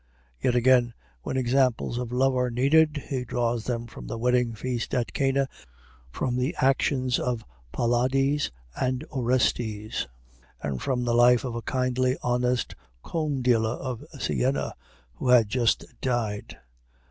Yet again, when examples of love are needed, he draws them from the wedding feast at Cana, from the actions of Pylades and Orestes, and from the life of a kindly, honest comb dealer of Siena who had just died.